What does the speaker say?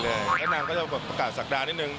แล้วนางก็จะแบบประกาศสักดาลนิดหนึ่ง